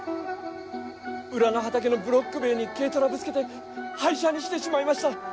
裏の畑のブロック塀に軽トラぶつけて廃車にしてしまいました